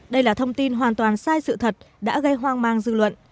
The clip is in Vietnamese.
đây là thông tin hoàn toàn sai sự thật đã gây hoang mang dư luận